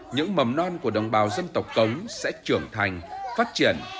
những mầm non của đồng bào dân tộc cống sẽ trưởng thành phát triển